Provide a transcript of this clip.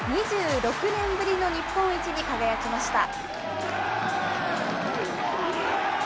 ２６年ぶりの日本一に輝きました。